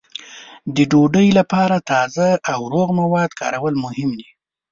د ډوډۍ لپاره تازه او روغ مواد کارول مهم دي.